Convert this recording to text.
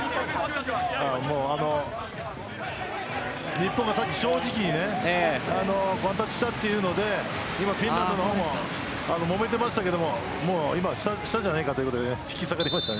日本がさっき正直にワンタッチしたっていうので今、フィンランドの方ももめていましたけどしたんじゃないかということで引き下がりました。